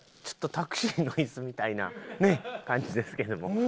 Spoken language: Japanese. ちょっとタクシーの椅子みたいなね感じですけども。